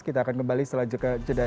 kita akan kembali selanjutnya ke jedadah